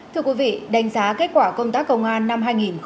thưa quý vị đánh giá kết quả công tác công an năm hai nghìn hai mươi ba